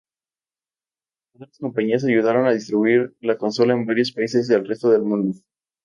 Otras compañías ayudaron a distribuir la consola en varios países del resto del mundo.